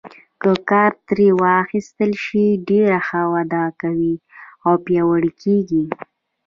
که کار ترې واخیستل شي ډېره ښه وده کوي او پیاوړي کیږي.